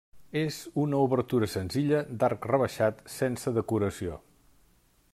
És una obertura senzilla, d'arc rebaixat, sense decoració.